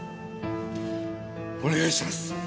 お願いします！